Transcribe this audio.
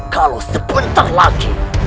kalau sebentar lagi